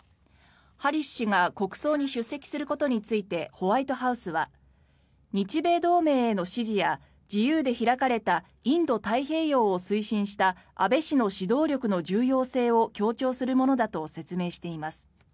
ハリス氏が国葬に出席することについてホワイトハウスは日米同盟への支持や自由で開かれたインド太平洋を推進した安倍氏の指導力の重要性を強調するものだと説明しています。